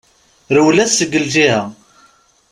Rwel-as seg lǧiha.